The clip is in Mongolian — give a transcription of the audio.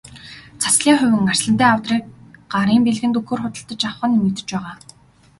Цацлын хувин, арслантай авдрыг гарын бэлгэнд өгөхөөр худалдаж авах нь нэмэгдэж байгаа.